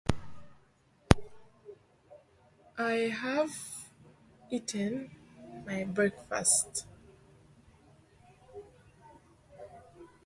He's been the spokesman of Forza Italia and then of The People of Freedom.